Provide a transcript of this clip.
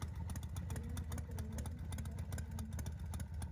— Йыван вате Овопын шинчашкыже онча.